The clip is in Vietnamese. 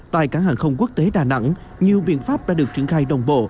tại cảng hàng không quốc tế đà nẵng nhiều biện pháp đã được triển khai đồng bộ